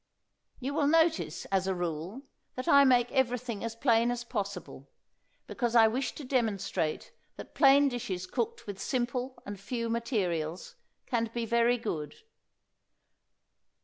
You will notice, as a rule, that I make everything as plain as possible, because I wish to demonstrate that plain dishes cooked with simple and few materials, can be very good.